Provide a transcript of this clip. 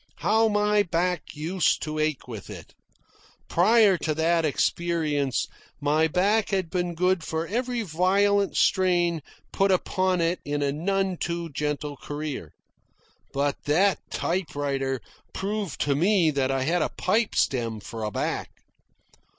How my back used to ache with it! Prior to that experience, my back had been good for every violent strain put upon it in a none too gentle career. But that typewriter proved to me that I had a pipe stem for a back.